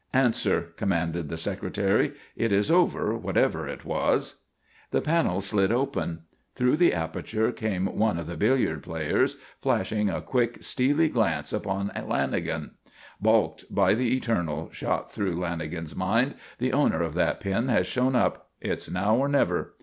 "Answer," commanded the Secretary. "It is over, whatever it was." The panel slid open. Through the aperture came one of the billiard players, flashing a quick, steely glance upon Lanagan. "Balked, by the eternal!" shot through Lanagan's mind. "The owner of that pin has shown up. It's now or never."